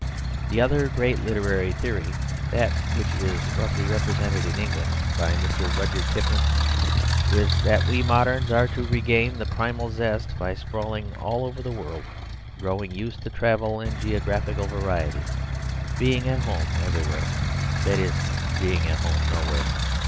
The other great literary theory, that which is roughly represented in England by Mr. Rudyard Kipling, is that we moderns are to regain the primal zest by sprawling all over the world growing used to travel and geographical variety, being at home everywhere, that is being at home nowhere.